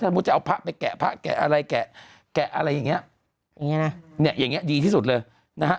ถ้าสมมุติจะเอาพระไปแก่พระแก่อะไรแกะแกะอะไรอย่างนี้อย่างนี้ดีที่สุดเลยนะฮะ